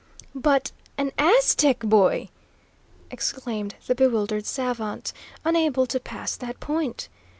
"But an Aztec, boy!" exclaimed the bewildered savant, unable to pass that point.